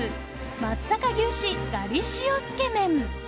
松阪牛脂がり塩つけ麺。